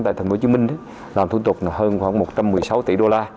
tại thành phố hồ chí minh làm thủ tục là hơn khoảng một trăm một mươi sáu tỷ đô la